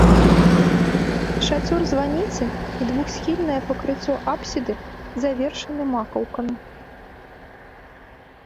Шацёр званіцы і двухсхільнае пакрыццё апсіды завершаны макаўкамі.